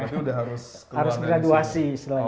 jadi sudah harus graduasi